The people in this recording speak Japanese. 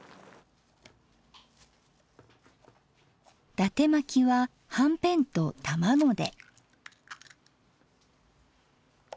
伊達まきははんぺんと卵で。